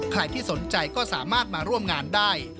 ใครที่สนใจก็สามารถมาร่วมงานได้